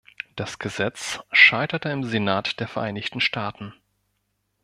Das Gesetz scheiterte im Senat der Vereinigten Staaten.